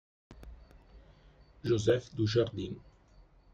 Josef du Jardin